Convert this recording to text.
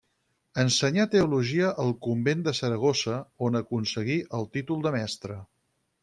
Ensenyà teologia al convent de Saragossa, on aconseguí el títol de mestre.